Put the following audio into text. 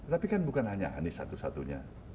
tapi kan bukan hanya anies satu satunya